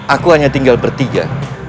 aku hanya tinggal bertiga